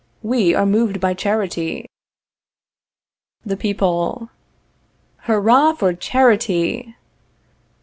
We are moved by charity. The People. Hurrah for CHARITY!